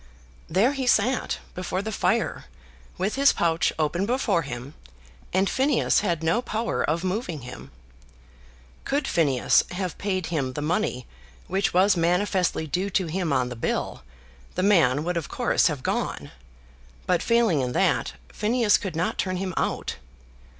There he sat before the fire with his pouch open before him, and Phineas had no power of moving him. Could Phineas have paid him the money which was manifestly due to him on the bill, the man would of course have gone; but failing in that, Phineas could not turn him out.